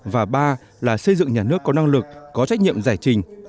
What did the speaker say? và ba là xây dựng nhà nước có năng lực có trách nhiệm giải trình